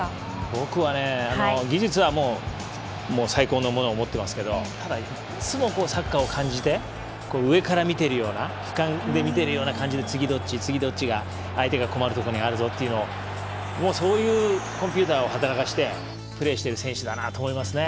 僕は技術は最高のものを持ってますけどいつもサッカーを感じて上から見ているようなふかんで見てるような感じで次どっち、次どっち相手が困るところにあるぞとそういうコンピューターを働かせてプレーしてる選手だなと思いますね。